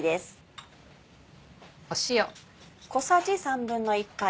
塩。